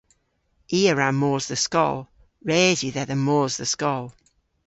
I a wra mos dhe skol. Res yw dhedha mos dhe skol.